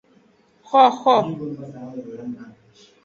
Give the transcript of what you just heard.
Xoxo.